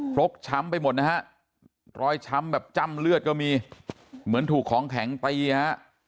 กช้ำไปหมดนะฮะรอยช้ำแบบจ้ำเลือดก็มีเหมือนถูกของแข็งตีฮะ